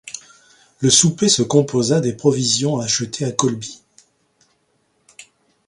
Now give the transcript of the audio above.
Le souper se composa des provisions achetées à Kholby.